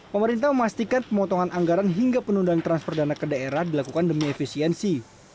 pemerintah memastikan pemotongan anggaran hingga penundaan transfer dana ke daerah dilakukan demi efisiensi